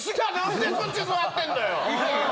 いやいや！